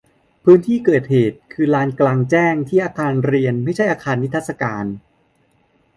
พื้นที่เกิดเหตุคือลานกลางแจ้งที่อาคารเรียนไม่ใช่อาคารนิทรรศการ